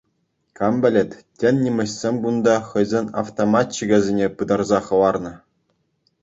Кам пӗлет, тен нимӗҫсем кунта хӑйсен автоматчикӗсене пытарса хӑварнӑ.